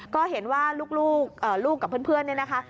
ก็เห็นว่าลูกกับเพื่อนเนี่ยนะคะ